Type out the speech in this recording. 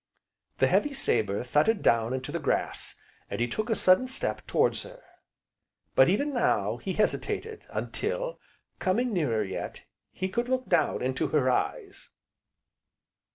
The heavy sabre thudded down into the grass, and he took a sudden step towards her. But, even now, he hesitated, until, coming nearer yet, he could look down into her eyes.